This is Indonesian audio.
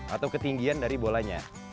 atau ketinggian dari bolanya